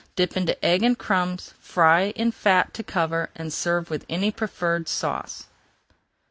Dip into egg and crumbs, fry in fat to cover, and serve with any preferred sauce.